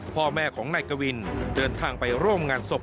พ่อแม่ของนายกวินเดินทางไปร่วมงานศพ